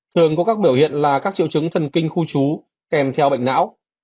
thường có các biểu hiện là các triệu chứng thần kinh khu trú kèm theo bệnh não